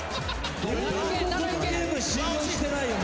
このゲーム信用してないよもう。